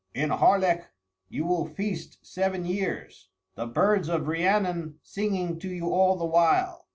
"In Harlech you will feast seven years, the birds of Rhiannon singing to you all the while.